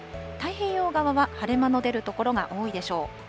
太平洋側は晴れ間の出る所が多いでしょう。